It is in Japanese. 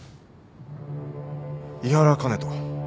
井原香音人。